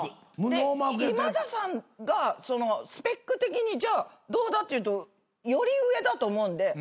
で今田さんがスペック的にじゃあどうだっていうとより上だと思うんで。